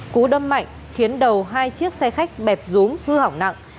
cú đâm mạnh khiến đầu hai chiếc xe khách bẹp rúm hư hỏng nặng